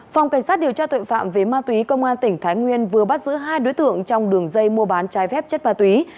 phòng cảnh sát điều tra tội phạm về ma túy công an tỉnh thái nguyên vừa bắt giữ hai đối tượng trong đường dây mua bán trái phép chất ma túy